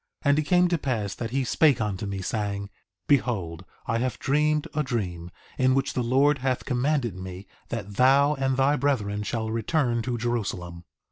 3:2 And it came to pass that he spake unto me, saying: Behold I have dreamed a dream, in the which the Lord hath commanded me that thou and thy brethren shall return to Jerusalem.